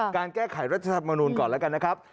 การแก้ไขรัฐธรรมนูลก่อนแล้วกันนะครับ